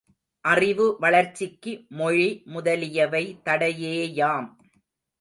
அறிவு வளர்ச்சிக்கு மொழி முதலியவை தடையேயாம்.